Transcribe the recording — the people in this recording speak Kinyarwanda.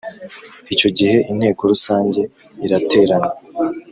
Icyo gihe Inteko Rusange iraterana